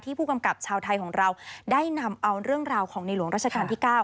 ผู้กำกับชาวไทยของเราได้นำเอาเรื่องราวของในหลวงราชการที่๙